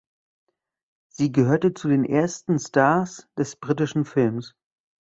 Sie gehörte zu den ersten Stars des britischen Films.